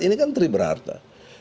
ini kan teriberarta